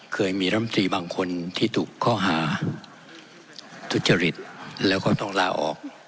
เคยมีรำตรีบางคนที่ถูกข้อหาทุจริตแล้วก็ต้องลาออก